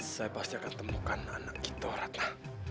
saya pasti akan temukan anak kita ratna